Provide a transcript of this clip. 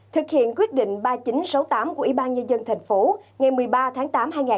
thực hiện quyết định ba nghìn chín trăm sáu mươi tám của ủy ban nhà dân thành phố ngày một mươi ba tháng tám hai nghìn một mươi năm